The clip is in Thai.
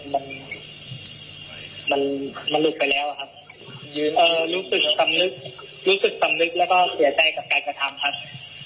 มันมันหลุดไปแล้วครับรู้สึกสำนึกรู้สึกสำนึกแล้วก็เสียใจกับการกระทำครับ